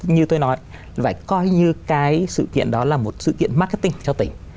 như tôi nói phải coi như cái sự kiện đó là một sự kiện marketing cho tỉnh